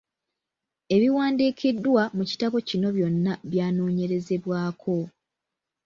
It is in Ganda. Ebiwandiikiddwa mu kitabo kino byonna byanoonyerezebwako.